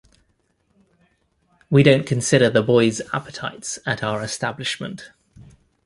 We don't consider the boys' appetites at our establishment.